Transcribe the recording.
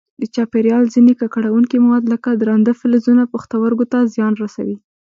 د چاپېریال ځیني ککړونکي مواد لکه درانده فلزونه پښتورګو ته زیان رسوي.